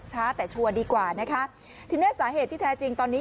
ช้าแต่ชัวร์ดีกว่านะคะทีนี้สาเหตุที่แท้จริงตอนนี้